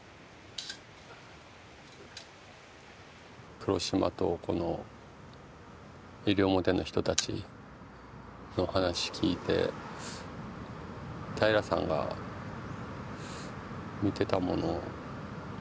黒島とこの西表の人たちの話聞いて平良さんが見てたもの